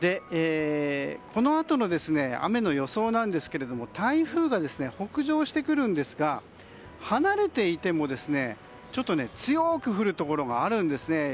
このあとの雨の予想なんですが台風が北上してくるんですが離れていても強く降るところがあるんですね。